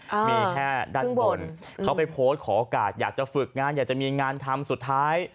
มีแค่ด้านบนเขาไปโพสต์ขอโอกาสอยากจะฝึกงานอยากจะมีงานทำสุดท้าย